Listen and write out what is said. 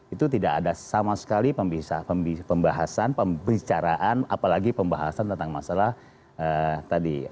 itu tidak ada sama sekali pembahasan pembicaraan apalagi pembahasan tentang masalah tadi